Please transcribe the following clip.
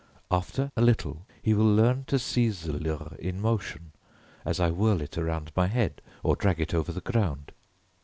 After a little he will learn to seize the leurre in motion as I whirl it around my head or drag it over the ground.